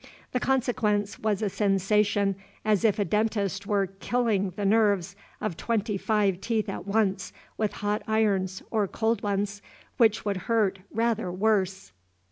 The consequence was a sensation as if a dentist were killing the nerves of twenty five teeth at once with hot irons, or cold ones, which would hurt rather worse.